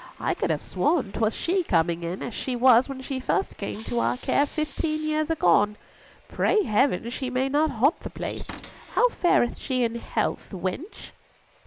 I could have sworn 'twas she coming in, as she was when she first came to our care fifteen years agone. Pray Heaven she may not haunt the place! How fareth she in health, wench?"